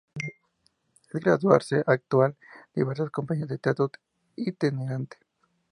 Tras graduarse, actuó en diversas compañías de teatro itinerante.